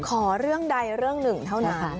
ขอเรื่องใดเรื่องหนึ่งเท่านั้น